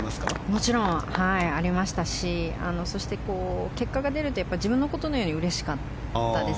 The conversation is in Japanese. もちろんありましたしそして、結果が出ると自分のことのようにうれしかったです。